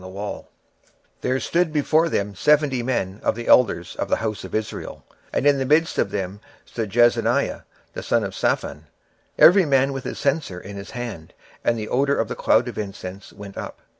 26:008:011 And there stood before them seventy men of the ancients of the house of Israel, and in the midst of them stood Jaazaniah the son of Shaphan, with every man his censer in his hand; and a thick cloud of incense went up.